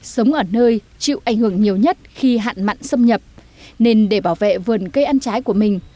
sống ở nơi chịu ảnh hưởng nhiều nhất khi hạn mặn xâm nhập nên để bảo vệ vườn cây ăn trái của mình